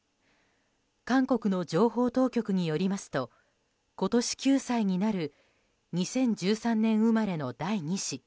韓国の情報当局によりますと今年９歳になる２０１３年生まれの第２子